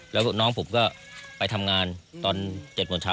แล้วน้องผมก็ไปทำงานตอน๗โมงเช้า